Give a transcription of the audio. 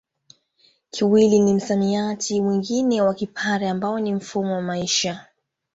Kiwili ni msamiati mwingine wa Kipare ambao ni mfumo wa maisha